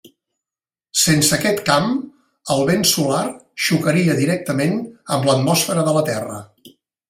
Sense aquest camp, el vent solar xocaria directament amb l'atmosfera de la Terra.